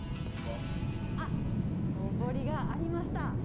あっ、のぼりがありました。